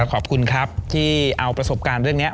ขอบคุณครับที่เอาประสบการณ์เรื่องนี้